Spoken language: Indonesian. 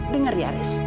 dengar ya haris